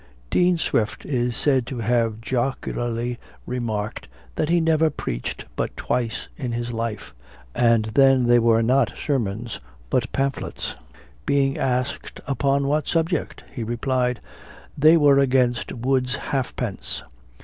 Dean Swift is said to have jocularly remarked, that he never preached but twice in his life, and then they were not sermons, but pamphlets. Being asked, upon what subject? he replied, they were against Wood's halfpence.